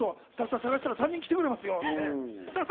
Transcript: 探したら３人来てくれますよ。